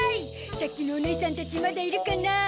さっきのおねいさんたちまだいるかなあ？